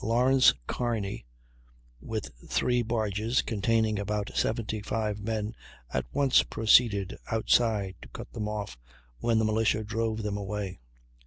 Lawrence Kearney, with three barges containing about 75 men, at once proceeded outside to cut them off, when the militia drove them away.